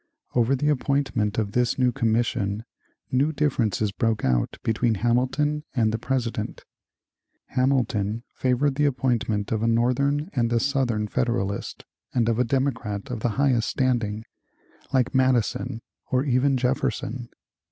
Over the appointment of this commission new differences broke out between Hamilton and the President. Hamilton favored the appointment of a Northern and a Southern Federalist and of a Democrat of the highest standing, like Madison or even Jefferson.